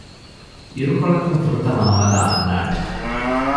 އިރުކޮޅަކުން ފުރަތަމަަ ހަމަލާ އަންނާނެ